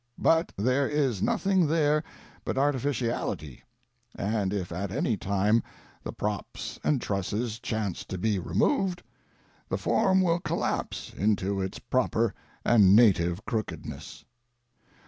But there is nothing there but artificiality, and if at any time the props and trusses chance to be removed, the form will collapse into its proper and native crookedness.